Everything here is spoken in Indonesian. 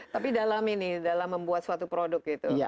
tapi dalam ini dalam membuat suatu produk gitu